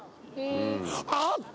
あった！